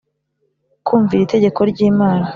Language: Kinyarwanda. Kumvira itegeko ry Imana